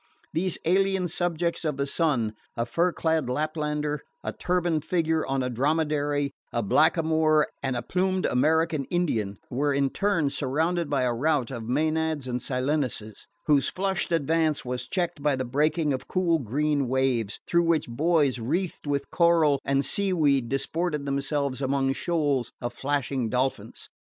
These alien subjects of the sun a fur clad Laplander, a turbaned figure on a dromedary, a blackamoor and a plumed American Indian were in turn surrounded by a rout of Maenads and Silenuses, whose flushed advance was checked by the breaking of cool green waves, through which boys wreathed with coral and seaweed disported themselves among shoals of flashing dolphins.